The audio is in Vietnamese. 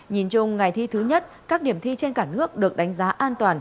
nhìn chung ngày thi thứ nhất các điểm thi trên cả nước được đánh giá an toàn